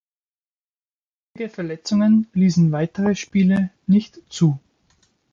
Häufige Verletzungen ließen weitere Spiele nicht zu.